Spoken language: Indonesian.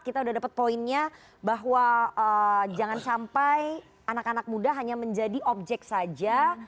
kita sudah dapat poinnya bahwa jangan sampai anak anak muda hanya menjadi objek saja